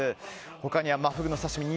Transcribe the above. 他にはマフグの刺し身２０ｇ